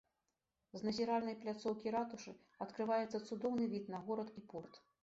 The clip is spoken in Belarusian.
З назіральнай пляцоўкі ратушы адкрываецца цудоўны від на горад і порт.